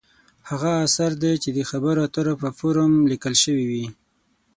هغه اثر دی چې د خبرو اترو په فورم لیکل شوې وي.